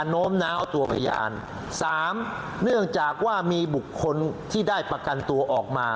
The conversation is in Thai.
เนื่องจากว่ามีบุคคลที่ได้ประกันตัวออกมา